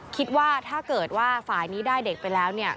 คิดว่าถ้าเกิดว่าฝ่ายนี้ได้เด็กไปแล้วเนี่ย